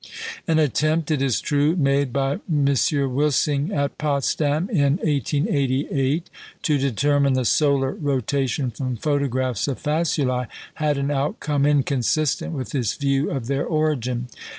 An attempt, it is true, made by M. Wilsing at Potsdam in 1888 to determine the solar rotation from photographs of faculæ had an outcome inconsistent with this view of their origin.